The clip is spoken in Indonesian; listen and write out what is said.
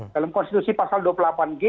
dalam konstitusi pasal dua puluh delapan g